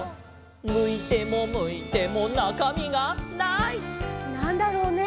「むいてもむいてもなかみがない」なんだろうね？